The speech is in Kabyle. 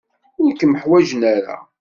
Ur kem-ḥwajen ara.